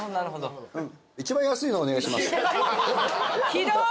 ひどい！